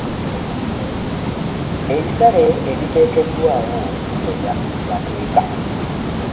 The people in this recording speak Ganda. Ebisale ebiteereddwaawo bimenya mateeka.